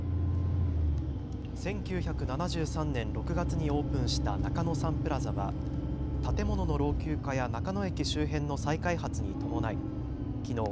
１９７３年６月にオープンした中野サンプラザは建物の老朽化や中野駅周辺の再開発に伴いきのう